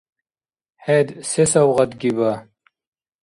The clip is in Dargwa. ХӀед се савгъат гиба?